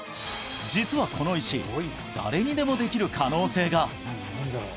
実はこの石誰にでもできる可能性が！